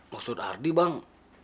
maksud ardi bang